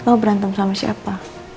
lo berantem sama siapa